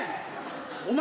お前